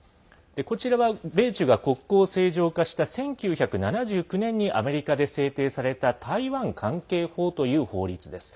こちらは米中が国交正常化した１９７９年にアメリカで制定された台湾関係法という法律です。